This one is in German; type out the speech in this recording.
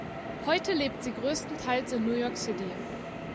Heute lebt sie größtenteils in New York City.